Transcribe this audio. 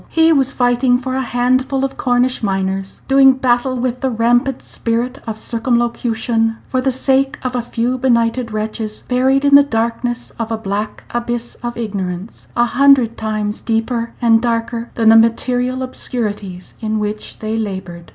He was fighting for a handful of Cornish miners; doing battle with the rampant spirit of circumlocution for the sake of a few benighted wretches, buried in the darkness of a black abyss of ignorance a hundred times deeper and darker than the material obscurities in which they labored.